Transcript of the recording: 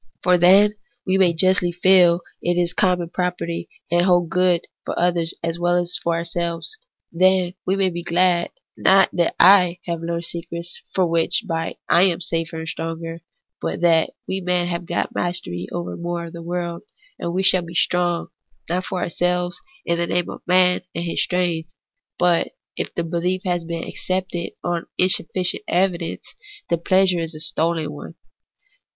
For then we may justly feel that it is common property, and holds good for others as well as for ourselves. Then we may be glad, not that / have learned secrets by which I am safer and stronger, but that ive men have got mastery over more of the world ; and we shall be strong, not for ourselves, but in the name of Man and in his strength. But if the behef has been accepted on insufiicient evidence, the pleasure is a stolen one.